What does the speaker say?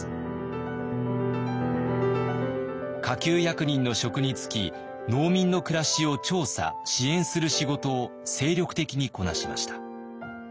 下級役人の職に就き農民の暮らしを調査・支援する仕事を精力的にこなしました。